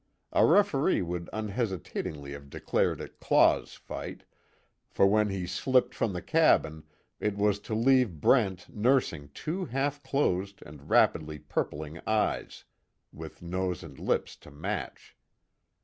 A referee would unhesitatingly have declared it Claw's fight, for when he slipped from the cabin it was to leave Brent nursing two half closed and rapidly purpling eyes, with nose and lips to match.